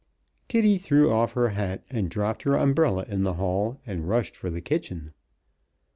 Kitty threw off her hat and dropped her umbrella in the hall and rushed for the kitchen.